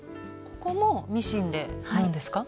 ここもミシンで縫うんですか？